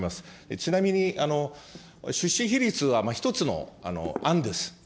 ちなみに、出資比率は一つの案です。